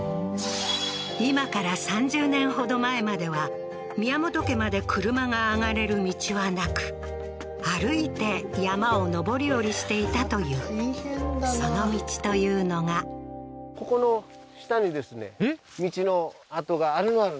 今から３０年ほど前までは宮本家まで車が上がれる道はなく歩いて山を上り下りしていたというその道というのがそこ下りてったの？